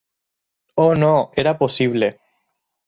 Oh, no era possible!